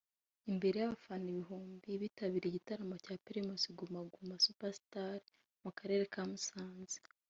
Imbere y’abafana ibihumbi bitabiriye igitaramo cya Primus Guma Guma Super Star mu Karere ka Musanze